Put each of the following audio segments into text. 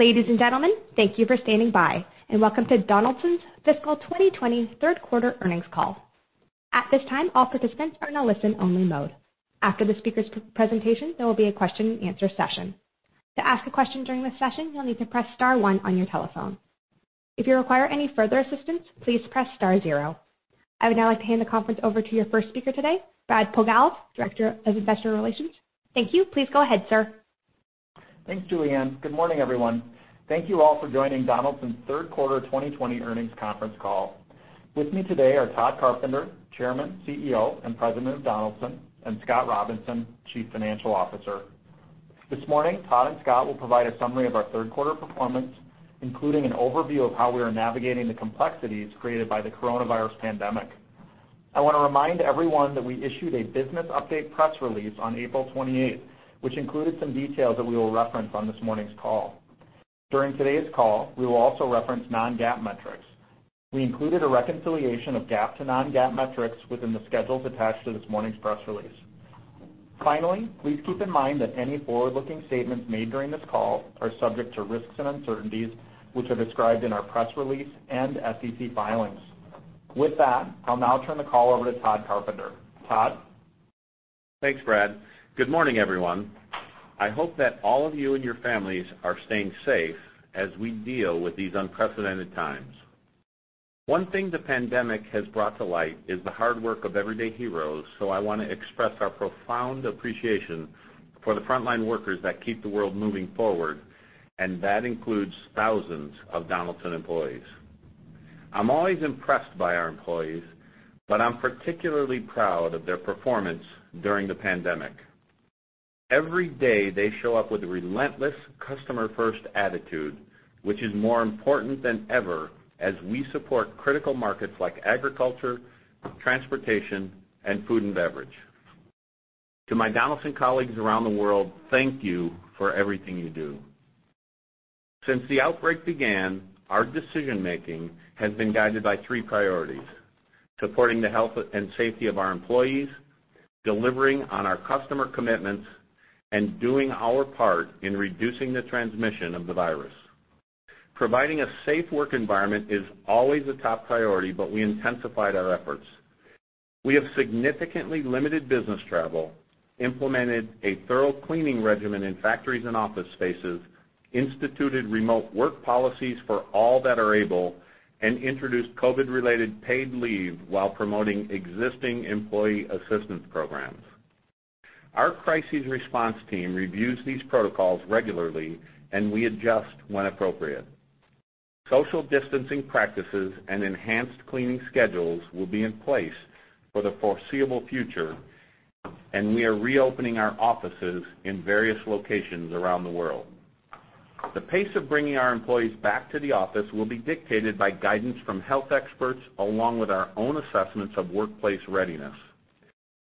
Ladies and gentlemen, thank you for standing by and welcome to Donaldson's Fiscal 2020 Third Quarter Earnings Call. At this time, all participants are in a listen-only mode. After the speaker's presentation, there will be a question-and-answer session. To ask a question during this session, you'll need to press star one on your telephone. If you require any further assistance, please press star zero. I would now like to hand the conference over to your first speaker today, Brad Pogalz, Director of Investor Relations. Thank you. Please go ahead, sir. Thanks, Julianne. Good morning, everyone. Thank you all for joining Donaldson's third quarter 2020 earnings conference call. With me today are Tod Carpenter, Chairman, CEO, and President of Donaldson, and Scott Robinson, Chief Financial Officer. This morning, Tod and Scott will provide a summary of our third quarter performance, including an overview of how we are navigating the complexities created by the coronavirus pandemic. I want to remind everyone that we issued a business update press release on April 28th, which included some details that we will reference on this morning's call. During today's call, we will also reference non-GAAP metrics. We included a reconciliation of GAAP to non-GAAP metrics within the schedules attached to this morning's press release. Finally, please keep in mind that any forward-looking statements made during this call are subject to risks and uncertainties, which are described in our press release and SEC filings. With that, I'll now turn the call over to Tod Carpenter. Tod? Thanks, Brad. Good morning, everyone. I hope that all of you and your families are staying safe as we deal with these unprecedented times. One thing the pandemic has brought to light is the hard work of everyday heroes, so I want to express our profound appreciation for the frontline workers that keep the world moving forward, and that includes thousands of Donaldson employees. I'm always impressed by our employees, but I'm particularly proud of their performance during the pandemic. Every day, they show up with a relentless customer-first attitude, which is more important than ever as we support critical markets like agriculture, transportation, and food and beverage. To my Donaldson colleagues around the world, thank you for everything you do. Since the outbreak began, our decision-making has been guided by three priorities: supporting the health and safety of our employees, delivering on our customer commitments, and doing our part in reducing the transmission of the virus. Providing a safe work environment is always a top priority, but we intensified our efforts. We have significantly limited business travel, implemented a thorough cleaning regimen in factories and office spaces, instituted remote work policies for all that are able, and introduced COVID-related paid leave while promoting existing employee assistance programs. Our crisis response team reviews these protocols regularly, and we adjust when appropriate. Social distancing practices and enhanced cleaning schedules will be in place for the foreseeable future, and we are reopening our offices in various locations around the world. The pace of bringing our employees back to the office will be dictated by guidance from health experts, along with our own assessments of workplace readiness.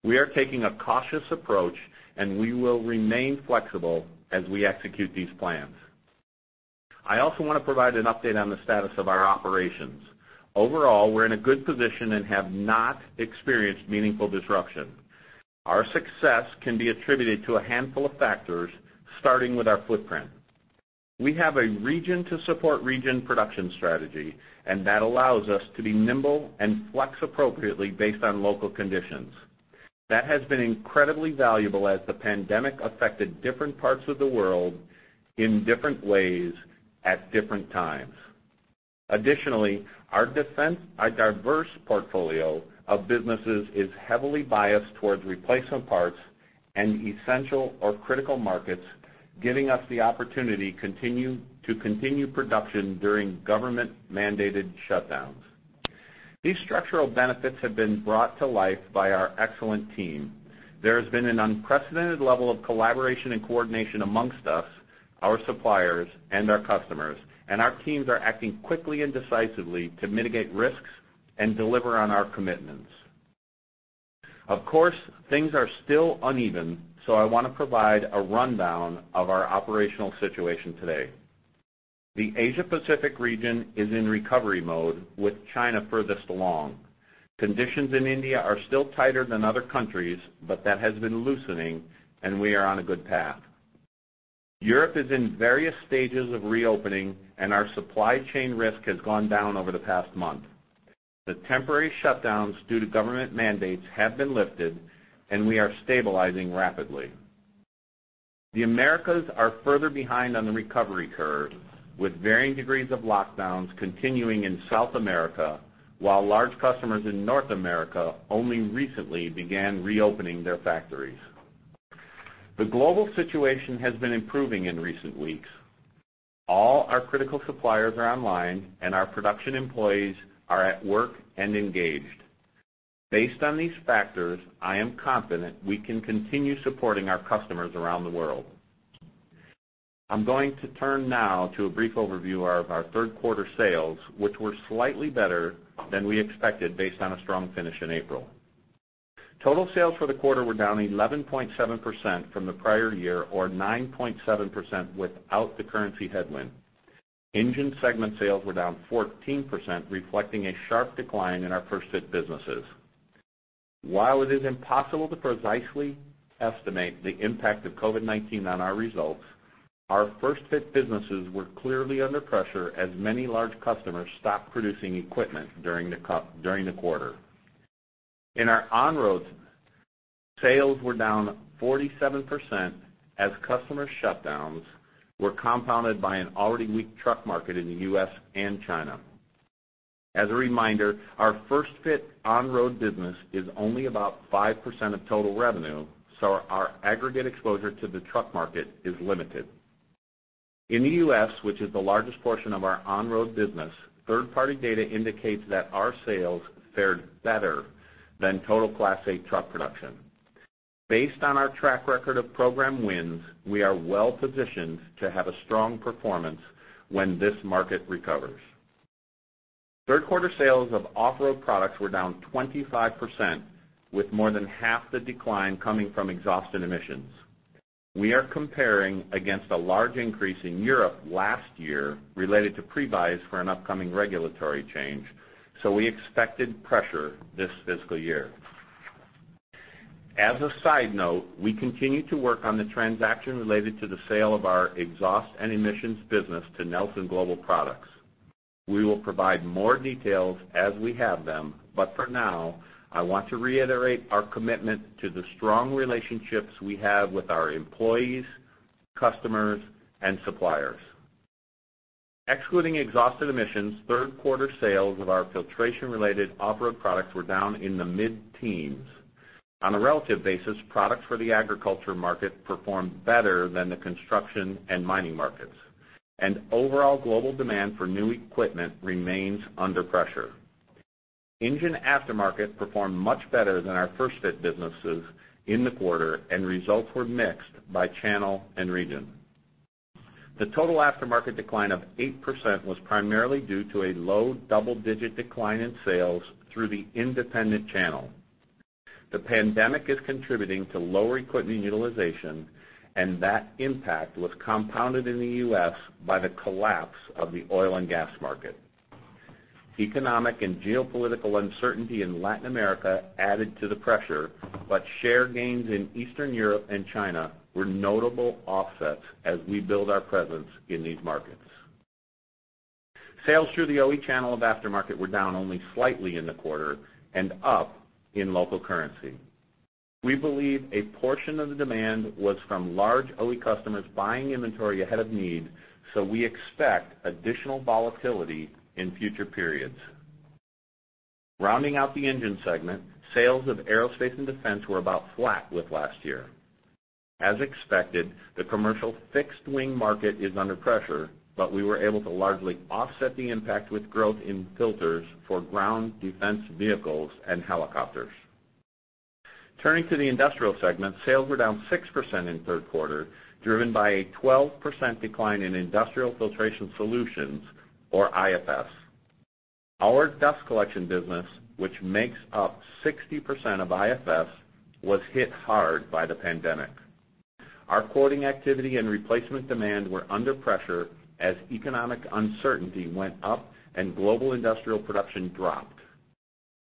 We are taking a cautious approach, and we will remain flexible as we execute these plans. I also want to provide an update on the status of our operations. Overall, we're in a good position and have not experienced meaningful disruption. Our success can be attributed to a handful of factors, starting with our footprint. We have a region to support region production strategy, and that allows us to be nimble and flex appropriately based on local conditions. That has been incredibly valuable as the pandemic affected different parts of the world in different ways at different times. Additionally, our diverse portfolio of businesses is heavily biased towards replacement parts and essential or critical markets, giving us the opportunity to continue production during government-mandated shutdowns. These structural benefits have been brought to life by our excellent team. There has been an unprecedented level of collaboration and coordination amongst us, our suppliers, and our customers, and our teams are acting quickly and decisively to mitigate risks and deliver on our commitments. Of course, things are still uneven, so I want to provide a rundown of our operational situation today. The Asia Pacific region is in recovery mode, with China furthest along. Conditions in India are still tighter than other countries, but that has been loosening, and we are on a good path. Europe is in various stages of reopening, and our supply chain risk has gone down over the past month. The temporary shutdowns due to government mandates have been lifted, and we are stabilizing rapidly. The Americas are further behind on the recovery curve, with varying degrees of lockdowns continuing in South America, while large customers in North America only recently began reopening their factories. The global situation has been improving in recent weeks. All our critical suppliers are online, and our production employees are at work and engaged. Based on these factors, I am confident we can continue supporting our customers around the world. I'm going to turn now to a brief overview of our third quarter sales, which were slightly better than we expected based on a strong finish in April. Total sales for the quarter were down 11.7 from the prior year or 9.7 without the currency headwind. Engine segment sales were down 14%, reflecting a sharp decline in our first-fit businesses. While it is impossible to precisely estimate the impact of COVID-19 on our results, our first-fit businesses were clearly under pressure as many large customers stopped producing equipment during the quarter. In our on-road, sales were down 47% as customer shutdowns were compounded by an already weak truck market in the U.S. and China. As a reminder, our first-fit on-road business is only about 5% of total revenue, so our aggregate exposure to the truck market is limited. In the U.S., which is the largest portion of our on-road business, third-party data indicates that our sales fared better than total Class 8 truck production. Based on our track record of program wins, we are well-positioned to have a strong performance when this market recovers. Third quarter sales of off-road products were down 25%, with more than half the decline coming from exhaust and emissions. We are comparing against a large increase in Europe last year related to pre-buys for an upcoming regulatory change, so we expected pressure this fiscal year. As a side note, we continue to work on the transaction related to the sale of our exhaust and emissions business to Nelson Global Products. We will provide more details as we have them, but for now, I want to reiterate our commitment to the strong relationships we have with our employees, customers, and suppliers. Excluding exhaust and emissions, third quarter sales of our filtration-related off-road products were down in the mid-teens. On a relative basis, products for the agriculture market performed better than the construction and mining markets, and overall global demand for new equipment remains under pressure. Engine aftermarket performed much better than our first-fit businesses in the quarter, and results were mixed by channel and region. The total aftermarket decline of 8% was primarily due to a low double-digit decline in sales through the independent channel. The pandemic is contributing to lower equipment utilization, and that impact was compounded in the U.S. by the collapse of the oil and gas market. Economic and geopolitical uncertainty in Latin America added to the pressure. Share gains in Eastern Europe and China were notable offsets as we build our presence in these markets. Sales through the OE channel of aftermarket were down only slightly in the quarter and up in local currency. We believe a portion of the demand was from large OE customers buying inventory ahead of need. We expect additional volatility in future periods. Rounding out the engine segment, sales of aerospace and defense were about flat with last year. As expected, the commercial fixed-wing market is under pressure, but we were able to largely offset the impact with growth in filters for ground defense vehicles and helicopters. Turning to the industrial segment, sales were down 6% in the third quarter, driven by a 12% decline in Industrial Filtration Solutions, or IFS. Our dust collection business, which makes up 60% of IFS, was hit hard by the pandemic. Our quoting activity and replacement demand were under pressure as economic uncertainty went up and global industrial production dropped.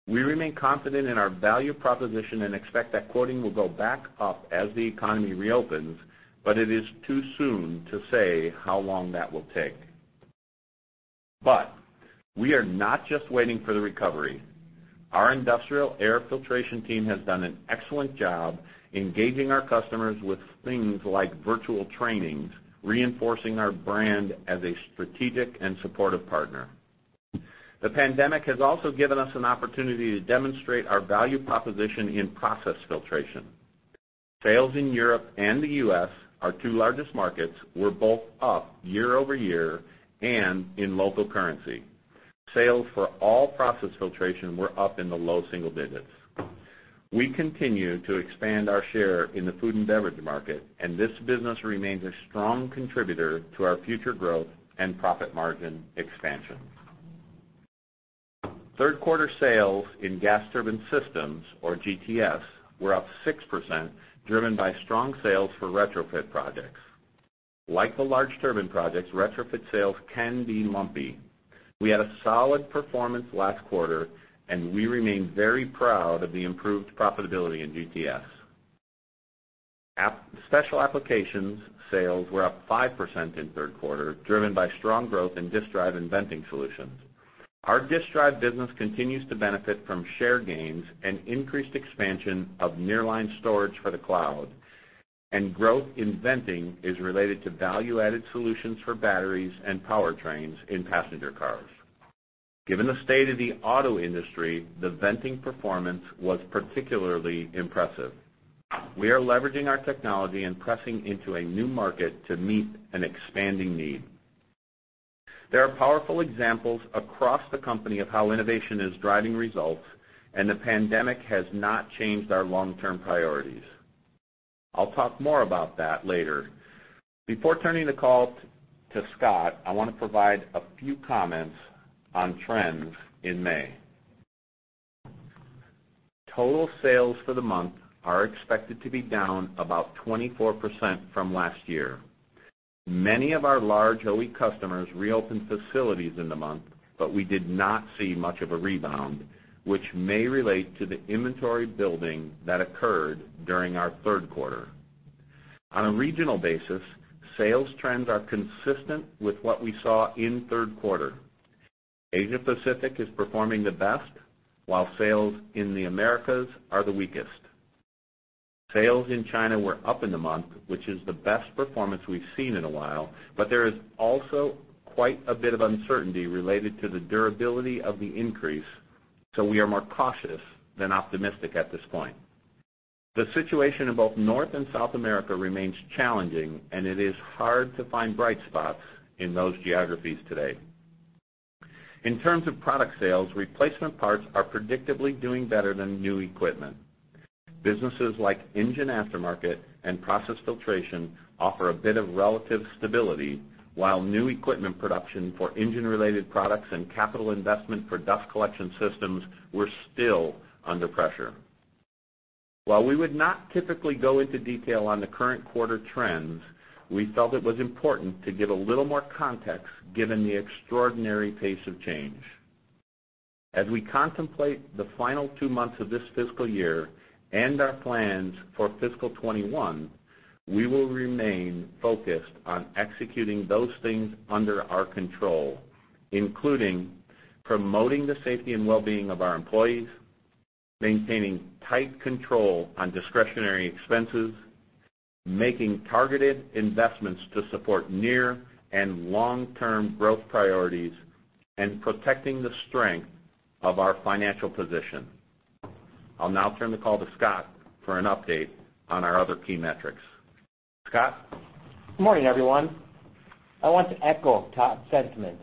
We remain confident in our value proposition and expect that quoting will go back up as the economy reopens, but it is too soon to say how long that will take. We are not just waiting for the recovery. Our industrial air filtration team has done an excellent job engaging our customers with things like virtual trainings, reinforcing our brand as a strategic and supportive partner. The pandemic has also given us an opportunity to demonstrate our value proposition in process filtration. Sales in Europe and the U.S., our two largest markets, were both up year-over-year and in local currency. Sales for all process filtration were up in the low single digits. We continue to expand our share in the food and beverage market, and this business remains a strong contributor to our future growth and profit margin expansion. Third quarter sales in Gas Turbine Systems, or GTS, were up 6%, driven by strong sales for retrofit projects. Like the large turbine projects, retrofit sales can be lumpy. We had a solid performance last quarter and we remain very proud of the improved profitability in GTS. Special applications sales were up 5% in the third quarter, driven by strong growth in disk drive and venting solutions. Our disk drive business continues to benefit from share gains and increased expansion of nearline storage for the cloud, and growth in venting is related to value-added solutions for batteries and powertrains in passenger cars. Given the state of the auto industry, the venting performance was particularly impressive. We are leveraging our technology and pressing into a new market to meet an expanding need. There are powerful examples across the company of how innovation is driving results, and the pandemic has not changed our long-term priorities. I'll talk more about that later. Before turning the call to Scott, I want to provide a few comments on trends in May. Total sales for the month are expected to be down about 24% from last year. Many of our large OE customers reopened facilities in the month, but we did not see much of a rebound, which may relate to the inventory building that occurred during our third quarter. On a regional basis, sales trends are consistent with what we saw in third quarter. Asia Pacific is performing the best, while sales in the Americas are the weakest. Sales in China were up in the month, which is the best performance we've seen in a while, but there is also quite a bit of uncertainty related to the durability of the increase, so we are more cautious than optimistic at this point. The situation in both North and South America remains challenging, and it is hard to find bright spots in those geographies today. In terms of product sales, replacement parts are predictably doing better than new equipment. Businesses like engine aftermarket and process filtration offer a bit of relative stability, while new equipment production for engine-related products and capital investment for dust collection systems were still under pressure. While we would not typically go into detail on the current quarter trends, we felt it was important to give a little more context given the extraordinary pace of change. As we contemplate the final two months of this fiscal year and our plans for fiscal 2021, we will remain focused on executing those things under our control, including promoting the safety and wellbeing of our employees, maintaining tight control on discretionary expenses, making targeted investments to support near and long-term growth priorities, and protecting the strength of our financial position. I'll now turn the call to Scott for an update on our other key metrics. Scott? Good morning, everyone. I want to echo Tod's sentiment.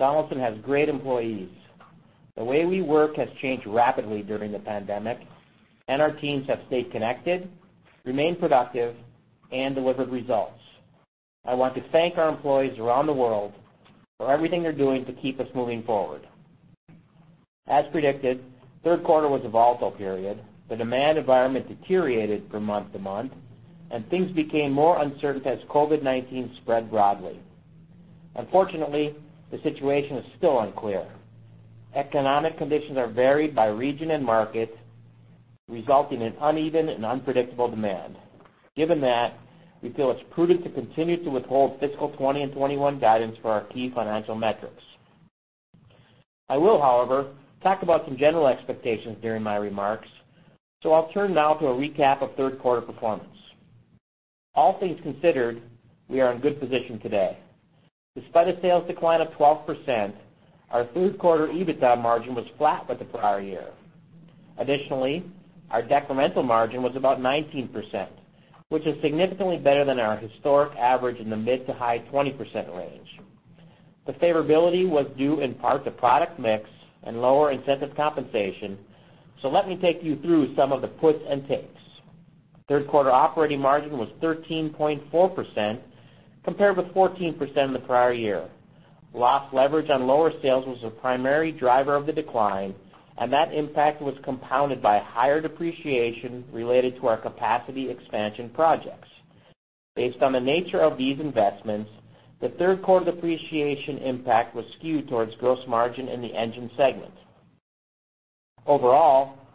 Donaldson has great employees. The way we work has changed rapidly during the pandemic, and our teams have stayed connected, remained productive, and delivered results. I want to thank our employees around the world for everything they're doing to keep us moving forward. As predicted, third quarter was a volatile period. The demand environment deteriorated from month to month, and things became more uncertain as COVID-19 spread broadly. Unfortunately, the situation is still unclear. Economic conditions are varied by region and market, resulting in uneven and unpredictable demand. Given that, we feel it's prudent to continue to withhold fiscal 2020 and 2021 guidance for our key financial metrics. I will, however, talk about some general expectations during my remarks, so I'll turn now to a recap of third quarter performance. All things considered, we are in good position today. Despite a sales decline of 12%, our third quarter EBITDA margin was flat with the prior year. Our decremental margin was about 19%, which is significantly better than our historic average in the mid to high 20% range. Let me take you through some of the puts and takes. Third quarter operating margin was 13.4% compared with 14% in the prior year. Lost leverage on lower sales was the primary driver of the decline, and that impact was compounded by higher depreciation related to our capacity expansion projects. Based on the nature of these investments, the third quarter depreciation impact was skewed towards gross margin in the engine segment.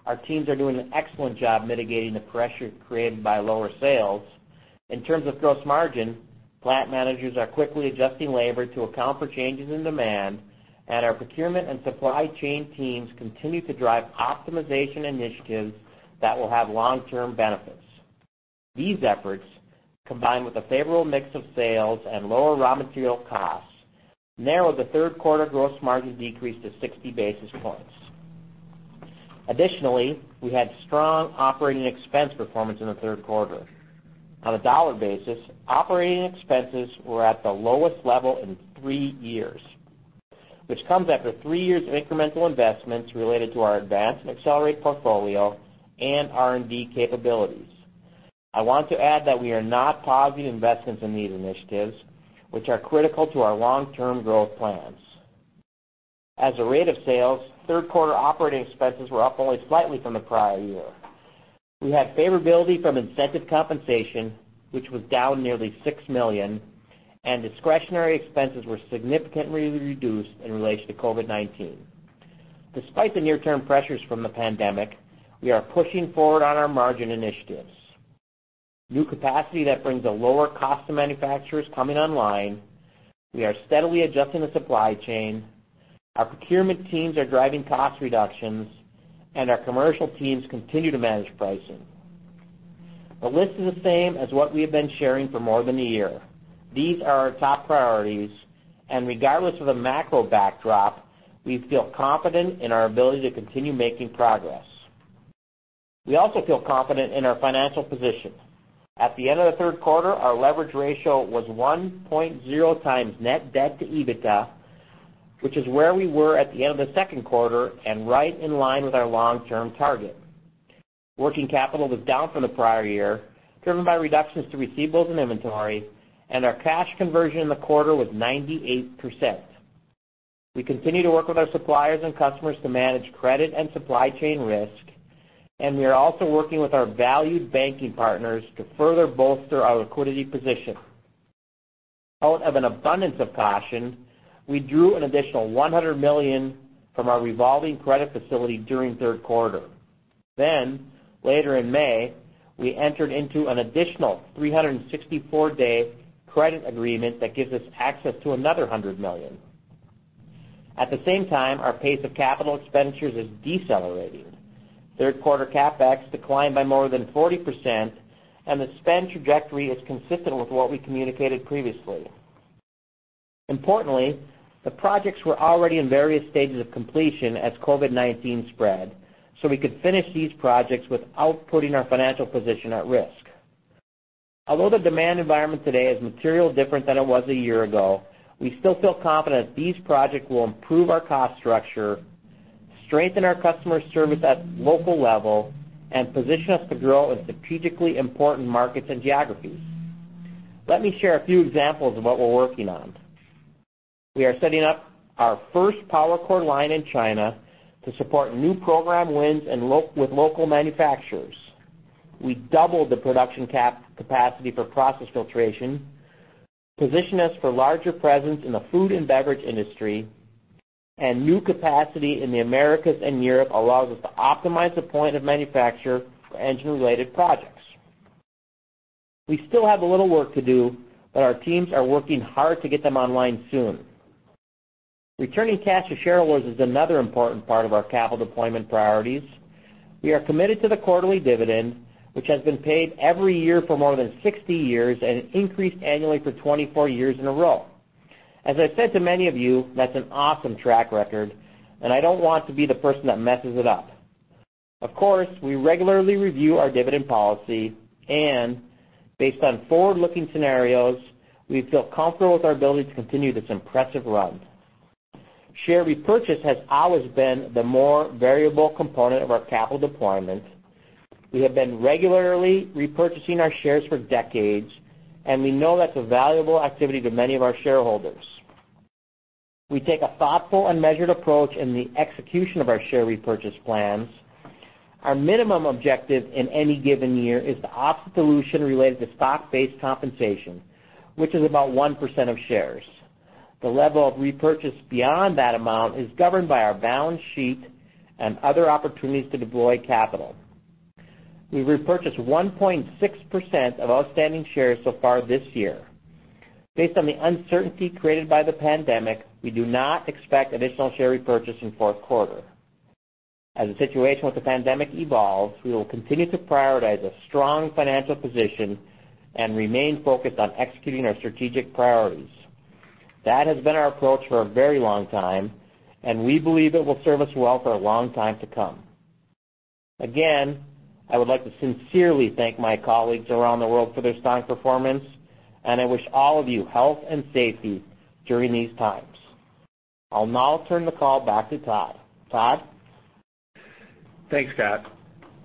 Our teams are doing an excellent job mitigating the pressure created by lower sales. In terms of gross margin, plant managers are quickly adjusting labor to account for changes in demand, and our procurement and supply chain teams continue to drive optimization initiatives that will have long-term benefits. These efforts, combined with a favorable mix of sales and lower raw material costs, narrowed the third quarter gross margin decrease to 60 basis points. Additionally, we had strong operating expense performance in the third quarter. On a dollar basis, operating expenses were at the lowest level in three years, which comes after three years of incremental investments related to our Advance and Accelerate portfolio and R&D capabilities. I want to add that we are not pausing investments in these initiatives, which are critical to our long-term growth plans. As a rate of sales, third quarter operating expenses were up only slightly from the prior year. We had favorability from incentive compensation, which was down nearly $6 million, and discretionary expenses were significantly reduced in relation to COVID-19. Despite the near-term pressures from the pandemic, we are pushing forward on our margin initiatives. New capacity that brings a lower cost to manufacturer is coming online, we are steadily adjusting the supply chain, our procurement teams are driving cost reductions, and our commercial teams continue to manage pricing. The list is the same as what we have been sharing for more than a year. These are our top priorities, and regardless of the macro backdrop, we feel confident in our ability to continue making progress. We also feel confident in our financial position. At the end of the third quarter, our leverage ratio was 1.0 times net debt to EBITDA, which is where we were at the end of the second quarter and right in line with our long-term target. Working capital was down from the prior year, driven by reductions to receivables and inventory, and our cash conversion in the quarter was 98%. We continue to work with our suppliers and customers to manage credit and supply chain risk, and we are also working with our valued banking partners to further bolster our liquidity position. Out of an abundance of caution, we drew an additional $100 million from our revolving credit facility during third quarter. Later in May, we entered into an additional 364-day credit agreement that gives us access to another $100 million. At the same time, our pace of capital expenditures is decelerating. Third quarter CapEx declined by more than 40%, and the spend trajectory is consistent with what we communicated previously. Importantly, the projects were already in various stages of completion as COVID-19 spread, so we could finish these projects without putting our financial position at risk. Although the demand environment today is materially different than it was a year ago, we still feel confident these projects will improve our cost structure, strengthen our customer service at the local level, and position us to grow in strategically important markets and geographies. Let me share a few examples of what we're working on. We are setting up our first PowerCore line in China to support new program wins with local manufacturers. We doubled the production capacity for process filtration, position us for larger presence in the food and beverage industry, and new capacity in the Americas and Europe allows us to optimize the point of manufacture for engine-related projects. We still have a little work to do, but our teams are working hard to get them online soon. Returning cash to shareholders is another important part of our capital deployment priorities. We are committed to the quarterly dividend, which has been paid every year for more than 60 years and increased annually for 24 years in a row. As I've said to many of you, that's an awesome track record, and I don't want to be the person that messes it up. Of course, we regularly review our dividend policy, and based on forward-looking scenarios, we feel comfortable with our ability to continue this impressive run. Share repurchase has always been the more variable component of our capital deployment. We have been regularly repurchasing our shares for decades, and we know that's a valuable activity to many of our shareholders. We take a thoughtful and measured approach in the execution of our share repurchase plans. Our minimum objective in any given year is to offset dilution related to stock-based compensation, which is about 1% of shares. The level of repurchase beyond that amount is governed by our balance sheet and other opportunities to deploy capital. We've repurchased 1.6% of outstanding shares so far this year. Based on the uncertainty created by the pandemic, we do not expect additional share repurchase in fourth quarter. As the situation with the pandemic evolves, we will continue to prioritize a strong financial position and remain focused on executing our strategic priorities. That has been our approach for a very long time, and we believe it will serve us well for a long time to come. I would like to sincerely thank my colleagues around the world for their strong performance, and I wish all of you health and safety during these times. I'll now turn the call back to Tod. Tod? Thanks, Scott.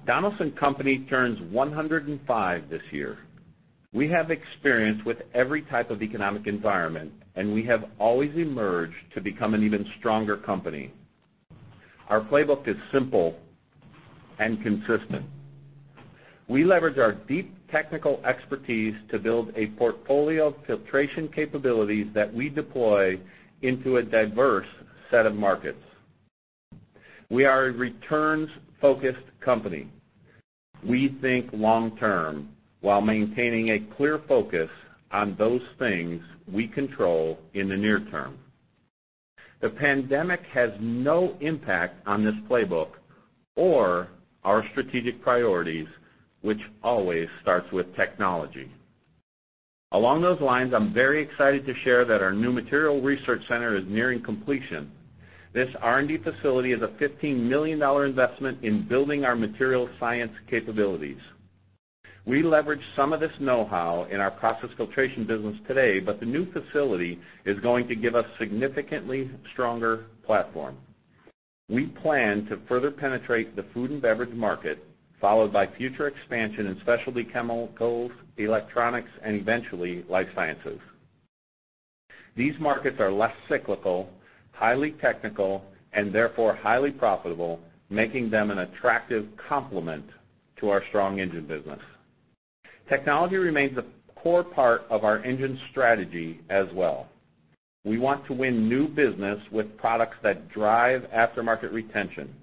Donaldson Company turns 105 this year. We have experience with every type of economic environment, and we have always emerged to become an even stronger company. Our playbook is simple and consistent. We leverage our deep technical expertise to build a portfolio of filtration capabilities that we deploy into a diverse set of markets. We are a returns-focused company. We think long term while maintaining a clear focus on those things we control in the near term. The pandemic has no impact on this playbook or our strategic priorities, which always starts with technology. Along those lines, I'm very excited to share that our new materials research center is nearing completion. This R&D facility is a $15 million investment in building our materials science capabilities. We leverage some of this know-how in our process filtration business today, the new facility is going to give us a significantly stronger platform. We plan to further penetrate the food and beverage market, followed by future expansion in specialty chemicals, electronics, and eventually, life sciences. These markets are less cyclical, highly technical, and therefore highly profitable, making them an attractive complement to our strong engine business. Technology remains a core part of our engine strategy as well. We want to win new business with products that drive aftermarket retention.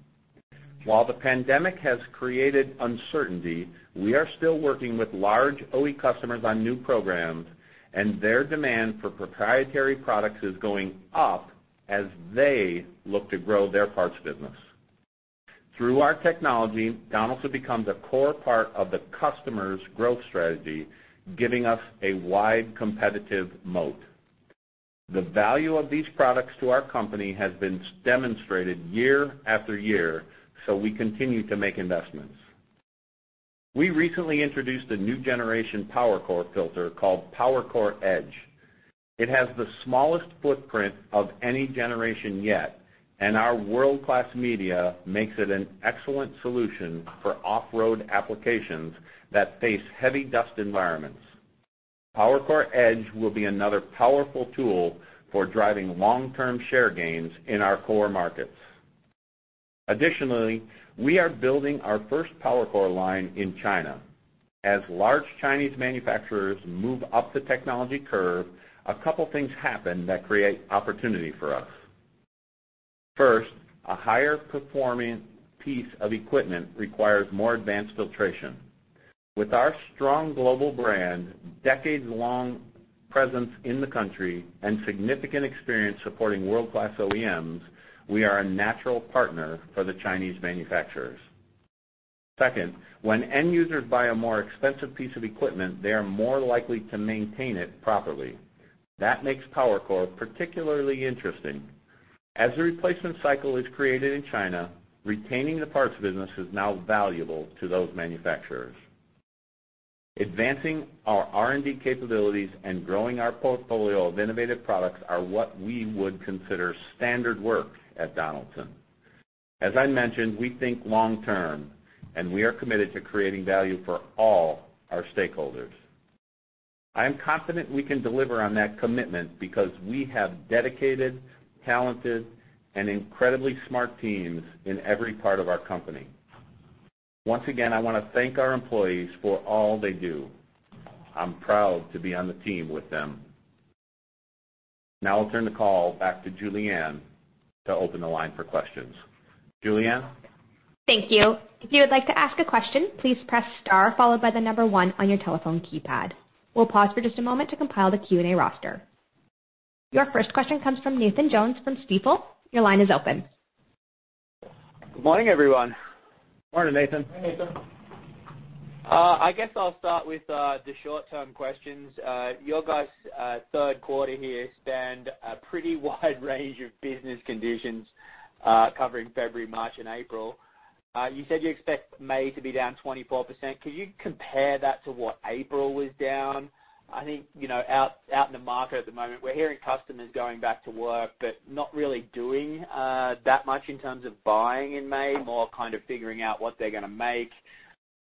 While the pandemic has created uncertainty, we are still working with large OE customers on new programs, and their demand for proprietary products is going up as they look to grow their parts business. Through our technology, Donaldson becomes a core part of the customer's growth strategy, giving us a wide competitive moat. The value of these products to our company has been demonstrated year after year, so we continue to make investments. We recently introduced a new generation PowerCore filter called PowerCore Edge. It has the smallest footprint of any generation yet, and our world-class media makes it an excellent solution for off-road applications that face heavy dust environments. PowerCore Edge will be another powerful tool for driving long-term share gains in our core markets. Additionally, we are building our first PowerCore line in China. As large Chinese manufacturers move up the technology curve, a couple things happen that create opportunity for us. First, a higher-performing piece of equipment requires more advanced filtration. With our strong global brand, decades-long presence in the country, and significant experience supporting world-class OEMs, we are a natural partner for the Chinese manufacturers. Second, when end users buy a more expensive piece of equipment, they are more likely to maintain it properly. That makes PowerCore particularly interesting. As the replacement cycle is created in China, retaining the parts business is now valuable to those manufacturers. Advancing our R&D capabilities and growing our portfolio of innovative products are what we would consider standard work at Donaldson. As I mentioned, we think long-term, and we are committed to creating value for all our stakeholders. I am confident we can deliver on that commitment because we have dedicated, talented, and incredibly smart teams in every part of our company. Once again, I want to thank our employees for all they do. I'm proud to be on the team with them. Now I'll turn the call back to Julianne to open the line for questions. Julianne? Thank you. If you would like to ask a question, please press star followed by the number one on your telephone keypad. We'll pause for just a moment to compile the Q&A roster. Your first question comes from Nathan Jones from Stifel. Your line is open. Good morning, everyone. Morning, Nathan. Hey, Nathan. I guess I'll start with the short-term questions. Your guys' third quarter here spanned a pretty wide range of business conditions, covering February, March, and April. You said you expect May to be down 24%. Can you compare that to what April was down? I think, out in the market at the moment, we're hearing customers going back to work, but not really doing that much in terms of buying in May, more kind of figuring out what they're going to make,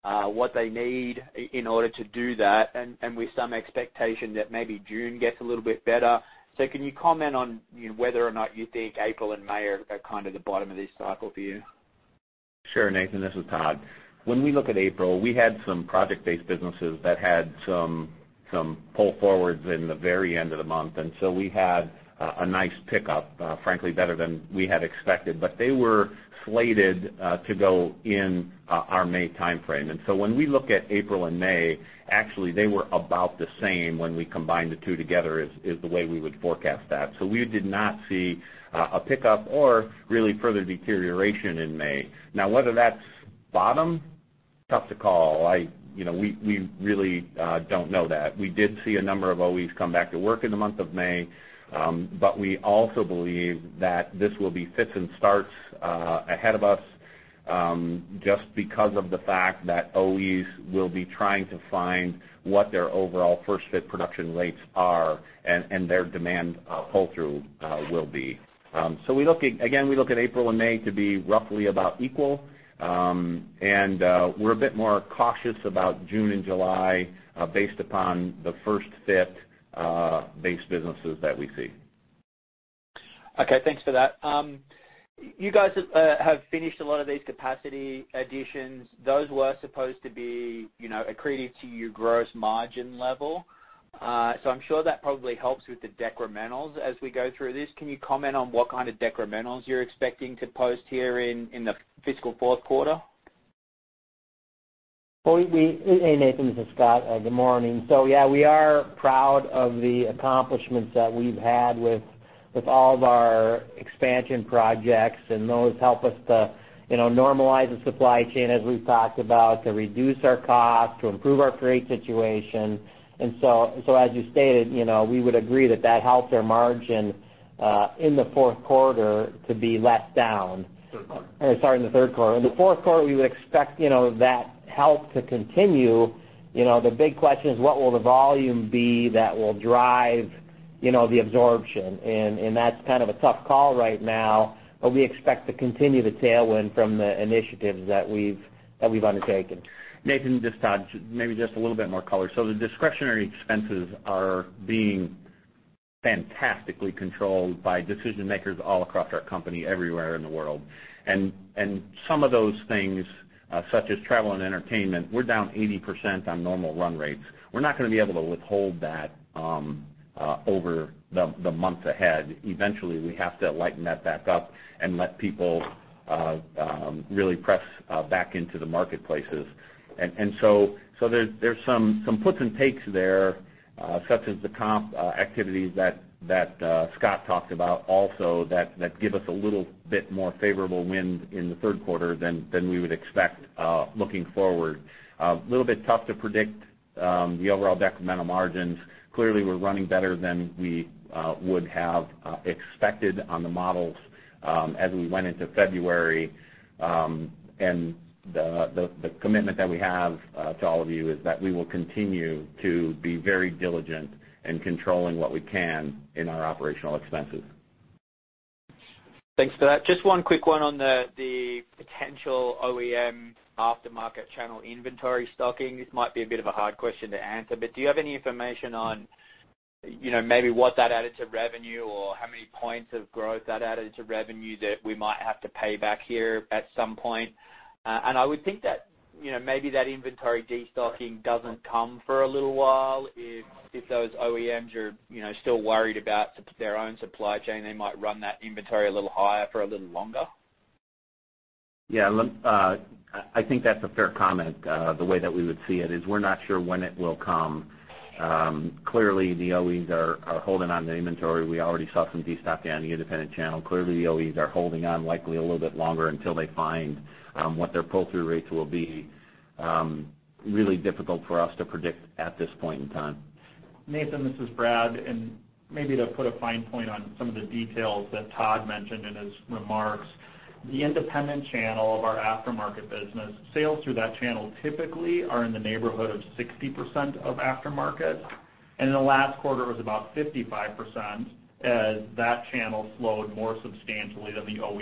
what they need in order to do that, and with some expectation that maybe June gets a little bit better. Can you comment on whether or not you think April and May are kind of the bottom of this cycle for you? Sure, Nathan. This is Tod. When we look at April, we had some project-based businesses that had some pull forwards in the very end of the month, we had a nice pickup, frankly, better than we had expected. They were slated to go in our May timeframe. When we look at April and May, actually, they were about the same when we combine the two together is the way we would forecast that. We did not see a pickup or really further deterioration in May. Now, whether that's bottom, tough to call. We really don't know that. We did see a number of OEs come back to work in the month of May, but we also believe that this will be fits and starts ahead of us, just because of the fact that OEs will be trying to find what their overall first-fit production rates are and their demand pull-through will be. Again, we look at April and May to be roughly about equal, and we're a bit more cautious about June and July, based upon the first-fit-based businesses that we see. Okay, thanks for that. You guys have finished a lot of these capacity additions. Those were supposed to be accretive to your gross margin level. I'm sure that probably helps with the decrementals as we go through this. Can you comment on what kind of decrementals you're expecting to post here in the fiscal fourth quarter? Hey, Nathan, this is Scott. Good morning. Yeah, we are proud of the accomplishments that we've had with all of our expansion projects, and those help us to normalize the supply chain, as we've talked about, to reduce our cost, to improve our freight situation. As you stated, we would agree that that helped our margin in the fourth quarter to be less down. Third quarter. Sorry, in the third quarter. In the fourth quarter, we would expect that help to continue. The big question is what will the volume be that will drive the absorption? That's kind of a tough call right now, but we expect to continue the tailwind from the initiatives that we've undertaken. Nathan, this is Tod. Maybe just a little bit more color. The discretionary expenses are being fantastically controlled by decision-makers all across our company, everywhere in the world. Some of those things, such as travel and entertainment, we're down 80% on normal run rates. We're not going to be able to withhold that over the months ahead. Eventually, we have to lighten that back up and let people really press back into the marketplaces. There's some puts and takes there, such as the comp activities that Scott talked about also that give us a little bit more favorable wind in the third quarter than we would expect looking forward. A little bit tough to predict the overall decremental margins. Clearly, we're running better than we would have expected on the models as we went into February. The commitment that we have to all of you is that we will continue to be very diligent in controlling what we can in our operational expenses. Thanks for that. Just one quick one on the potential OEM aftermarket channel inventory stocking. This might be a bit of a hard question to answer. Do you have any information on maybe what that added to revenue or how many points of growth that added to revenue that we might have to pay back here at some point? I would think that maybe that inventory destocking doesn't come for a little while if those OEMs are still worried about their own supply chain, they might run that inventory a little higher for a little longer. Yeah. I think that's a fair comment. The way that we would see it is we're not sure when it will come. Clearly, the OEs are holding onto the inventory. We already saw some destock down the independent channel. Clearly, the OEs are holding on likely a little bit longer until they find what their pull-through rates will be. Really difficult for us to predict at this point in time. Nathan, this is Brad, maybe to put a fine point on some of the details that Tod mentioned in his remarks, the independent channel of our aftermarket business, sales through that channel typically are in the neighborhood of 60% of aftermarket. In the last quarter, it was about 55% as that channel slowed more substantially than the OE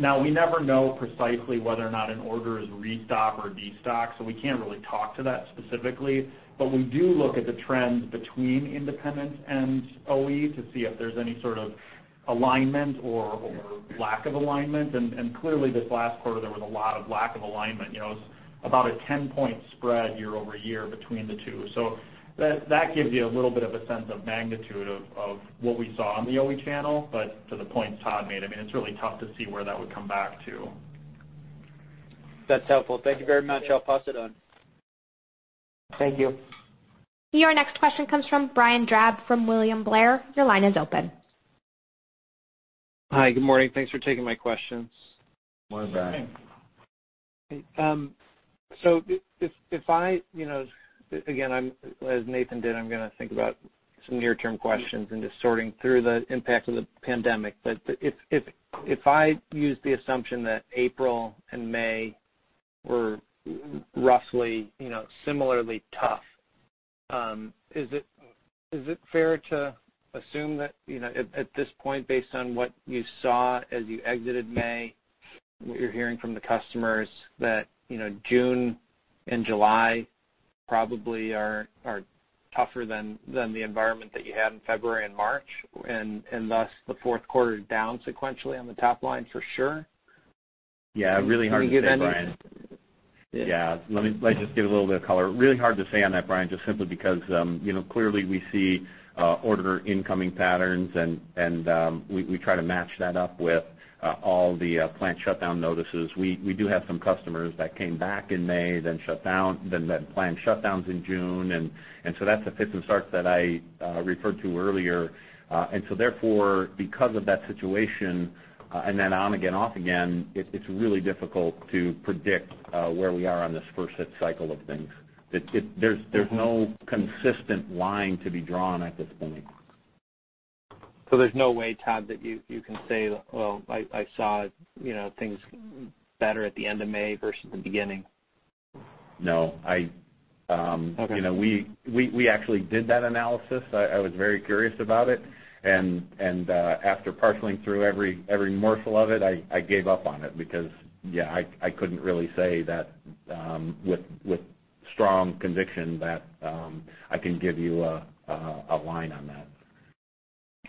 channel. Now, we never know precisely whether or not an order is restock or destock, so we can't really talk to that specifically. We do look at the trends between independent and OE to see if there's any sort of alignment or lack of alignment. Clearly, this last quarter, there was a lot of lack of alignment. It's about a 10-point spread year-over-year between the two. That gives you a little bit of a sense of magnitude of what we saw on the OE channel. To the point Tod made, it's really tough to see where that would come back to. That's helpful. Thank you very much. I'll pass it on. Thank you. Your next question comes from Brian Drab from William Blair. Your line is open. Hi. Good morning. Thanks for taking my questions. Morning, Brian. Hey. Again, as Nathan did, I'm going to think about some near-term questions and just sorting through the impact of the pandemic. But if I use the assumption that April and May were roughly similarly tough, is it fair to assume that at this point, based on what you saw as you exited May, what you're hearing from the customers that June and July probably are tougher than the environment that you had in February and March, and thus the fourth quarter is down sequentially on the top line for sure? Yeah, really hard to say, Brian. Can you give any- Yeah. Let me just give a little bit of color. Really hard to say on that, Brian, just simply because clearly we see order incoming patterns and we try to match that up with all the plant shutdown notices. We do have some customers that came back in May, then planned shutdowns in June. That's the fits and starts that I referred to earlier. Therefore, because of that situation, and then on again, off again, it's really difficult to predict where we are on this first hit cycle of things. There's no consistent line to be drawn at this point. There's no way, Tod, that you can say, "Well, I saw things better at the end of May versus the beginning. No. Okay. We actually did that analysis. I was very curious about it, and after parceling through every morsel of it, I gave up on it because, yeah, I couldn't really say that with strong conviction that I can give you a line on that.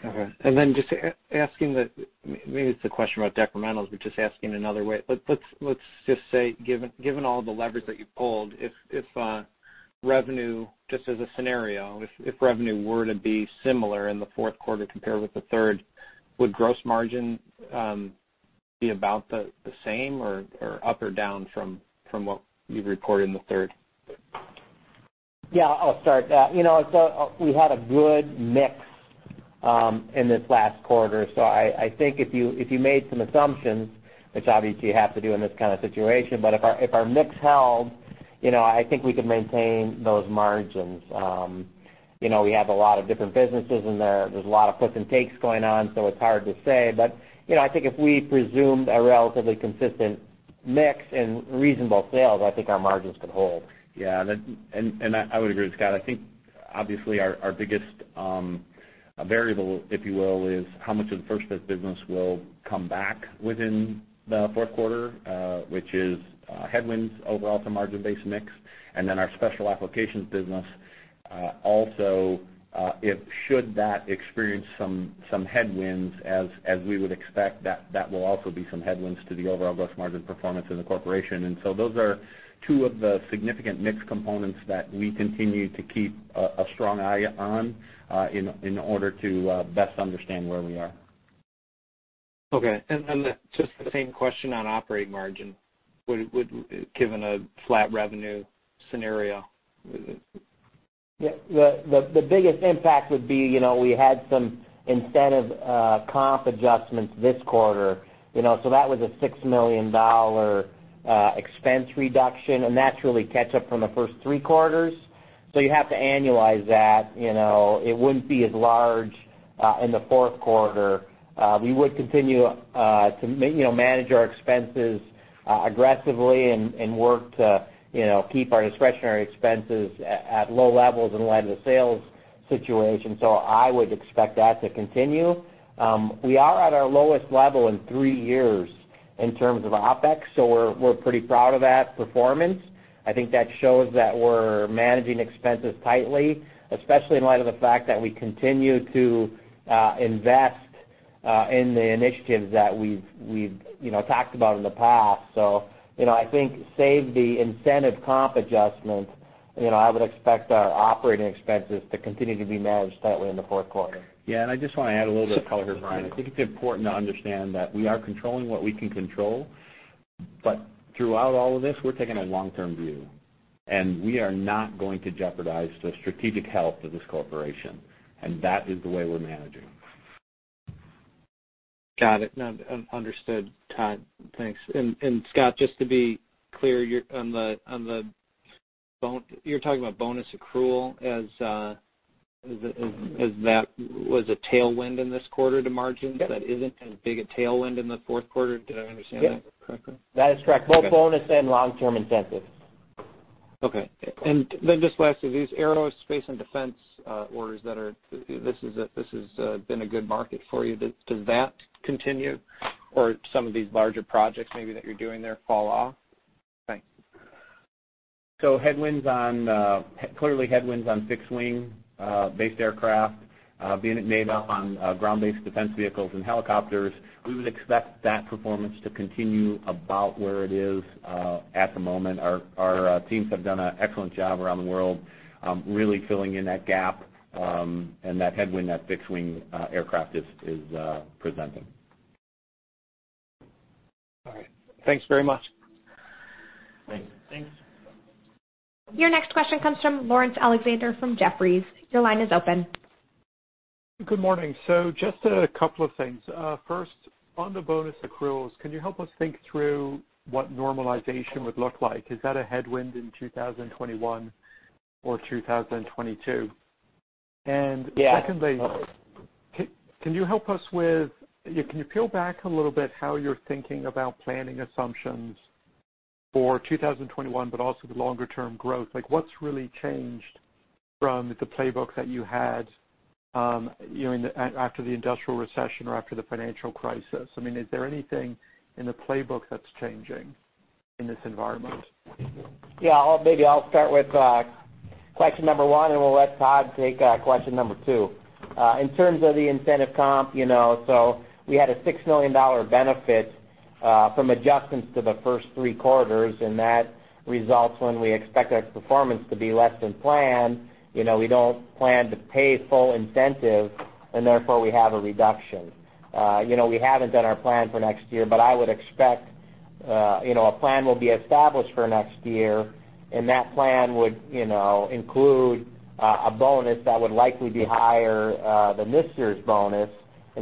Okay. Maybe it's a question about decrementals, but just asking another way. Let's just say, given all the levers that you pulled, just as a scenario, if revenue were to be similar in the fourth quarter compared with the third, would gross margin be about the same or up or down from what you've reported in the third? Yeah, I'll start. We had a good mix in this last quarter. I think if you made some assumptions, which obviously you have to do in this kind of situation, if our mix held, I think we could maintain those margins. We have a lot of different businesses in there. There's a lot of puts and takes going on. It's hard to say. I think if we presumed a relatively consistent mix and reasonable sales, I think our margins could hold. Yeah. I would agree with Scott. I think obviously our biggest variable, if you will, is how much of the first fit business will come back within the fourth quarter, which is headwinds overall to margin base mix. Our special applications business also, should that experience some headwinds as we would expect, that will also be some headwinds to the overall gross margin performance in the corporation. Those are two of the significant mix components that we continue to keep a strong eye on in order to best understand where we are. Okay. Just the same question on operating margin, given a flat revenue scenario. The biggest impact would be we had some incentive comp adjustments this quarter. That was a $6 million expense reduction, and that's really catch-up from the first three quarters. You have to annualize that. It wouldn't be as large in the fourth quarter. We would continue to manage our expenses aggressively and work to keep our discretionary expenses at low levels in light of the sales situation. I would expect that to continue. We are at our lowest level in three years in terms of OPEX. We're pretty proud of that performance. I think that shows that we're managing expenses tightly, especially in light of the fact that we continue to invest in the initiatives that we've talked about in the past. I think save the incentive comp adjustment, I would expect our operating expenses to continue to be managed tightly in the fourth quarter. I just want to add a little bit of color here, Brian. I think it's important to understand that we are controlling what we can control, but throughout all of this, we're taking a long-term view. We are not going to jeopardize the strategic health of this corporation, and that is the way we're managing. Got it. No, understood, Tod. Thanks. Scott, just to be clear, you're talking about bonus accrual as that was a tailwind in this quarter to margins. Yep that isn't as big a tailwind in the fourth quarter. Did I understand that correctly? Yes. That is correct. Okay. Both bonus and long-term incentives. Okay. Just lastly, these aerospace and defense orders. This has been a good market for you. Does that continue or some of these larger projects maybe that you're doing there fall off? Thanks. Clearly headwinds on fixed wing-based aircraft, being it made up on ground-based defense vehicles and helicopters. We would expect that performance to continue about where it is at the moment. Our teams have done an excellent job around the world, really filling in that gap, and that headwind that fixed wing aircraft is presenting. All right. Thanks very much. Thanks. Thanks. Your next question comes from Laurence Alexander from Jefferies. Your line is open. Good morning. Just a couple of things. First, on the bonus accruals, can you help us think through what normalization would look like? Is that a headwind in 2021 or 2022? Secondly. Yeah Can you peel back a little bit how you're thinking about planning assumptions for 2021 but also the longer term growth? What's really changed from the playbook that you had after the industrial recession or after the financial crisis? I mean, is there anything in the playbook that's changing in this environment? Yeah, maybe I'll start with question number one, and we'll let Tod take question number two. In terms of the incentive comp, so we had a $6 million benefit from adjustments to the first three quarters. That results when we expect our performance to be less than planned. We don't plan to pay full incentive. Therefore, we have a reduction. We haven't done our plan for next year. I would expect a plan will be established for next year. That plan would include a bonus that would likely be higher than this year's bonus.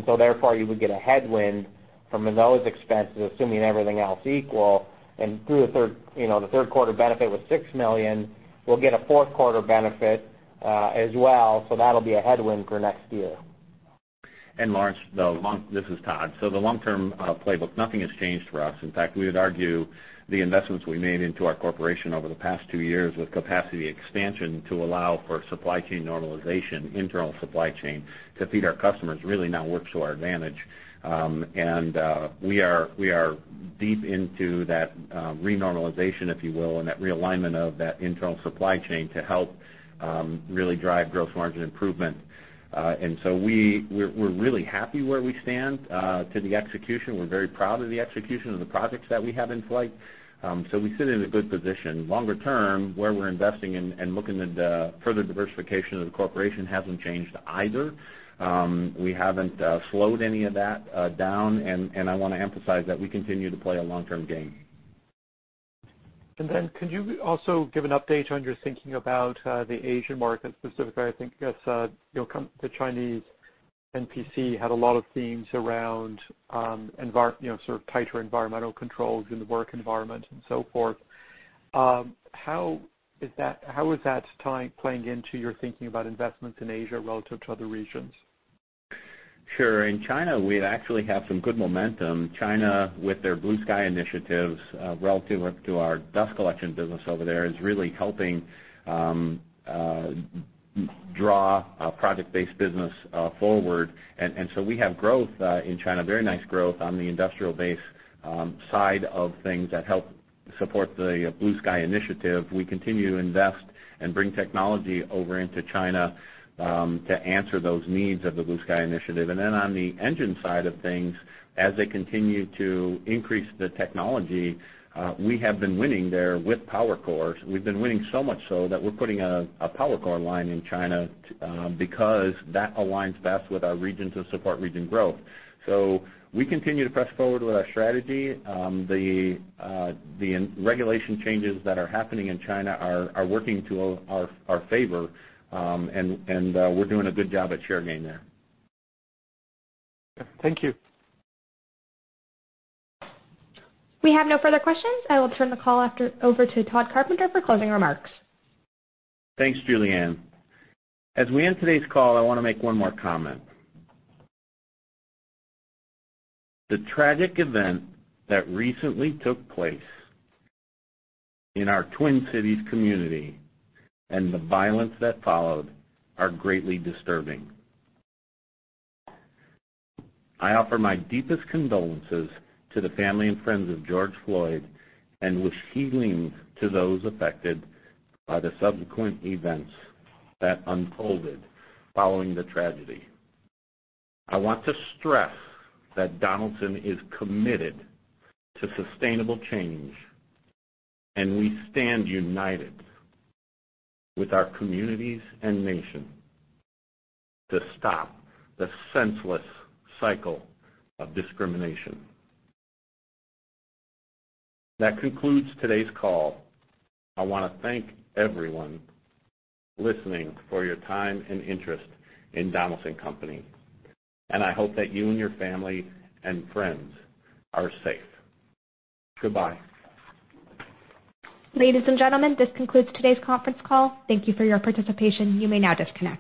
Therefore, you would get a headwind from those expenses, assuming everything else equal. The third quarter benefit was $6 million. We'll get a fourth quarter benefit as well. That'll be a headwind for next year. Laurence, this is Tod. The long-term playbook, nothing has changed for us. In fact, we would argue the investments we made into our corporation over the past two years with capacity expansion to allow for supply chain normalization, internal supply chain to feed our customers, really now works to our advantage. We are deep into that renormalization, if you will, and that realignment of that internal supply chain to help really drive gross margin improvement. We're really happy where we stand to the execution. We're very proud of the execution of the projects that we have in flight. We sit in a good position. Longer term, where we're investing and looking at the further diversification of the corporation hasn't changed either. We haven't slowed any of that down, and I want to emphasize that we continue to play a long-term game. Could you also give an update on your thinking about the Asian market specifically? I think as the Chinese NPC had a lot of themes around sort of tighter environmental controls in the work environment and so forth. How is that playing into your thinking about investments in Asia relative to other regions? Sure. In China, we actually have some good momentum. China, with their Blue Sky initiatives, relative to our dust collection business over there, is really helping draw project-based business forward. We have growth in China, very nice growth on the industrial base side of things that help support the Blue Sky initiative. We continue to invest and bring technology over into China to answer those needs of the Blue Sky initiative. On the engine side of things, as they continue to increase the technology, we have been winning there with PowerCore. We've been winning so much so that we're putting a PowerCore line in China because that aligns best with our regions of support region growth. We continue to press forward with our strategy. The regulation changes that are happening in China are working to our favor, and we're doing a good job at share gain there. Okay. Thank you. We have no further questions. I will turn the call over to Tod Carpenter for closing remarks. Thanks, Julianne. As we end today's call, I want to make one more comment. The tragic event that recently took place in our Twin Cities community and the violence that followed are greatly disturbing. I offer my deepest condolences to the family and friends of George Floyd, and wish healing to those affected by the subsequent events that unfolded following the tragedy. I want to stress that Donaldson is committed to sustainable change, and we stand united with our communities and nation to stop the senseless cycle of discrimination. That concludes today's call. I want to thank everyone listening for your time and interest in Donaldson Company, and I hope that you and your family and friends are safe. Goodbye. Ladies and gentlemen, this concludes today's conference call. Thank you for your participation. You may now disconnect.